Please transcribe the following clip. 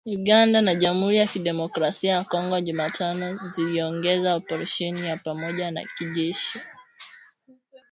Uganda na Jamhuri ya Kidemokrasi ya Kongo Jumatano ziliongeza operesheni ya pamoja ya kijeshi